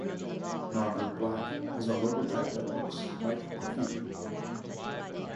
Nogger Black has a logotype that looks like graffiti.